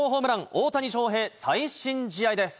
大谷翔平、最新試合です。